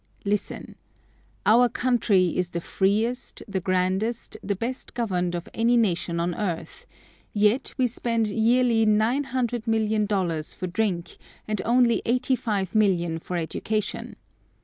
Listen: Our country is the freest, the grandest, the best governed of any nation on earth; yet we spend yearly nine hundred million dollars for drink, and only eighty five million for education.